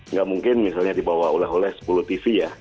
nggak mungkin misalnya dibawa oleh oleh sepuluh tv ya